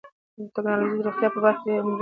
ټکنالوژي د روغتیا په برخه کې هم مرسته کوي.